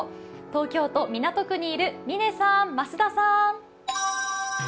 東京都港区にいる嶺さん、増田さん。